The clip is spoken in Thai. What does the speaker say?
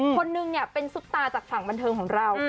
คนนึงเนี่ยเป็นซุปตาจากฝั่งบันเทิงของเรา